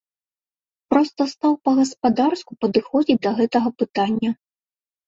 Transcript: Проста стаў па-гаспадарску падыходзіць да гэтага пытання.